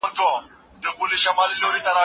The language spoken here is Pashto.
هغه وسايل چي موږ يې لرو، پدې مانا چي شتمني لرو.